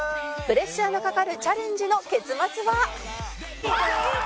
プレッシャーのかかるチャレンジの結末は？